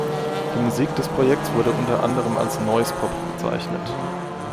Die Musik des Projekts wurde unter anderem als „Noise-Pop“ bezeichnet.